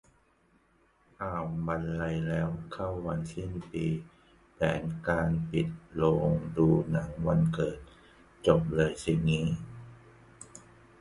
อ้าว บรรลัยแล้ว เข้าวันสิ้นปี แผนการปิดโรงดูหนังวันเกิดจบเลยสิงี้